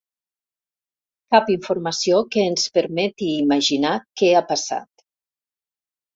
Cap informació que ens permeti imaginar què ha passat.